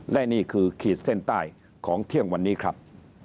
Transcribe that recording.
และนี่คือขีดเส้นใต้ของเที่ยงวันนี้ครับ